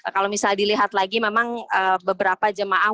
kalau misalnya dilihat lagi memang beberapa jemaah